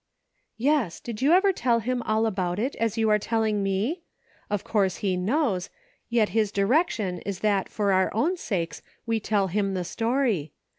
" Yes, did you ever tell Him all about it as you are telling me "i Of course He knows, yet his direc tion is that for our own sakes we tell Him the story.